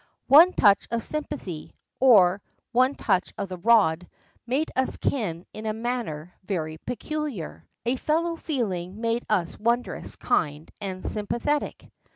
"One touch of sympathy," or one touch of the rod, made us kin in a manner very peculiar; a fellow feeling made us wondrous kind and sympathetic.